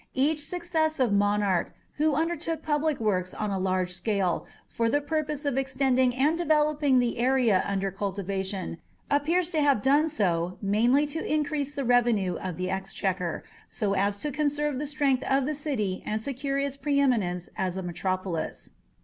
Each successive monarch who undertook public works on a large scale for the purpose of extending and developing the area under cultivation, appears to have done so mainly to increase the revenue of the exchequer, so as to conserve the strength of the city and secure its pre eminence as a metropolis.